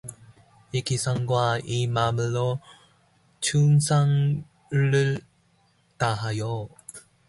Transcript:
이 기상과 이 맘으로 충성을 다하여